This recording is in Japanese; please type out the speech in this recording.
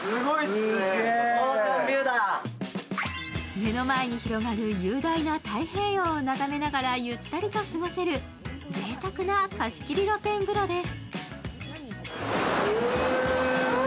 目の前に広がる雄大な太平洋を眺めながらゆったりと過ごせるぜいたくな貸し切り露天風呂です。